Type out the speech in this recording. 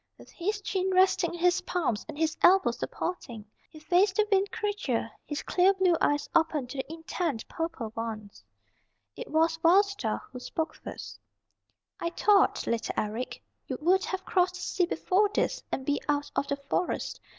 With his chin resting in his palms and his elbows supporting, he faced the Wind Creature, his clear blue eyes open to the intent purple ones. It was Wild Star who spoke first. "I thought, little Eric, you would have crossed the sea before this, and be out of the Forest.